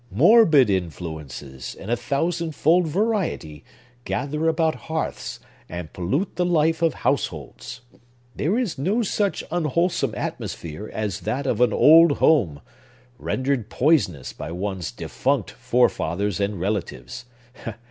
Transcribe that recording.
Morbid influences, in a thousand fold variety, gather about hearths, and pollute the life of households. There is no such unwholesome atmosphere as that of an old home, rendered poisonous by one's defunct forefathers and relatives.